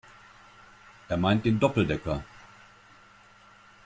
Er meint den Doppeldecker.